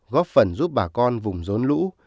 góp phần giúp bà con vùng rốn lũ